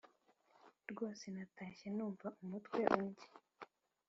Rwose natashye numva umutwe undya